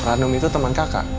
ranum itu teman kakak